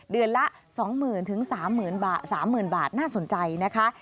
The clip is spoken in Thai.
เดือนละ๒๐๐๐๓๐๐๐บาทน่าสนใจนะคะ